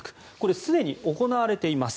すでに行われています。